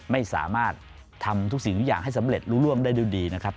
ไม่สามารถทำทุกสิ่งทุกอย่างให้สำเร็จรู้ร่วมได้ด้วยดีนะครับ